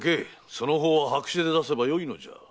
その方は白紙で出せばよいのじゃ。